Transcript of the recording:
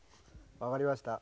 分かりました。